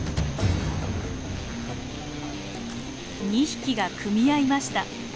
２匹が組み合いました。